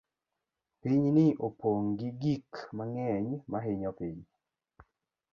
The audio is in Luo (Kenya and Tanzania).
Pinyni opong' gi gik mang'eny ma hinyo piny.